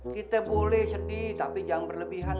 kita boleh sedih tapi jangan berlebihan